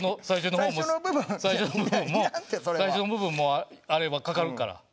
最初の部分もあれはかかるから。